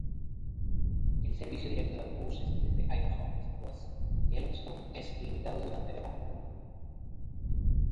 El servicio directo de autobuses desde Idaho hasta West Yellowstone es limitado durante verano.